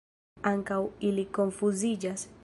Ankaŭ ili konfuziĝas.